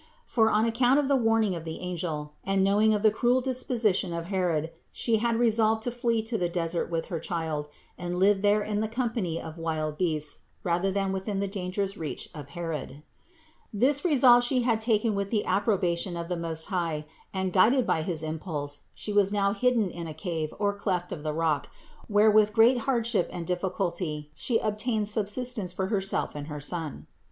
For on account of the warning of the angel, and knowing of the cruel dispo sition of Herod, she had resolved to flee to the desert with her child and live there in the company of wild beasts rather than within the dangerous reach of Herod. This resolve she had taken with the approbation of the Most High and, guided by his impulse, She was now hidden in a cave or cleft of the rock where, with great hardship and difficulty, she obtained sustenance for her self and her son. 676.